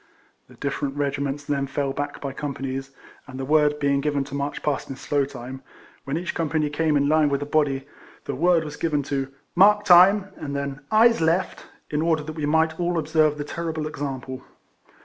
The different regiments then fell back by companies, and the word being given to march past in slow time, when each com RIFLEMAN HAERIS. 7 pany came in line with the body, the word was given to " mark time," and then " eyes left," in order that we might all observe the terrible example.